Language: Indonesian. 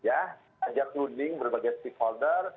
ajak ruling berbagai stakeholder